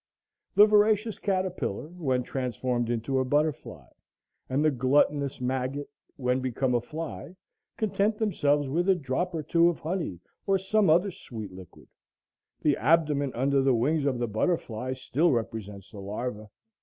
The voracious caterpillar when transformed into a butterfly," .. "and the gluttonous maggot when become a fly," content themselves with a drop or two of honey or some other sweet liquid. The abdomen under the wings of the butterfly still represents the larva.